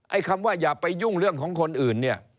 คำว่าอย่าไปยุ่งเรื่องของคนอื่นเนี่ย